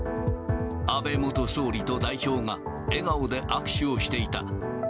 安倍元総理と代表が笑顔で握手をしていた。